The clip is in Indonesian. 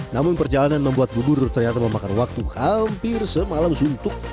namun perjalanan membuat bubur ternyata memakan waktu hampir semalam suntuk